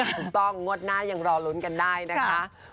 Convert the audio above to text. ถูกต้องงวดหน้ายังรอลุ้นกันได้นะคะ